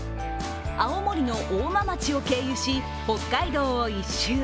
青森の大間町を経由し北海道を一周。